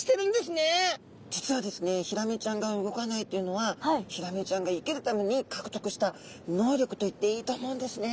ヒラメちゃんが動かないっていうのはヒラメちゃんが生きるためにかくとくした能力といっていいと思うんですね。